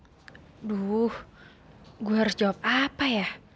aduh gue harus jawab apa ya